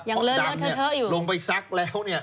เพราะดำลงไปซักแล้ว